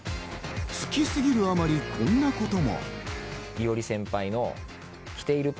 好きすぎるあまり、こんなことも。